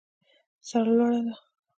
سر لوړه ده.